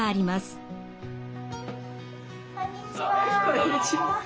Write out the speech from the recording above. こんにちは。